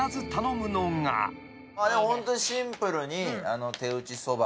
ホントにシンプルに。